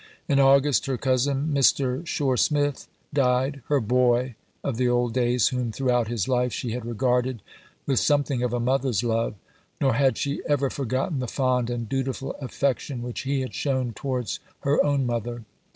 In August, her cousin, Mr. Shore Smith, died "her boy" of the old days, whom throughout his life she had regarded with something of a mother's love; nor had she ever forgotten the fond and dutiful affection which he had shown towards her own mother.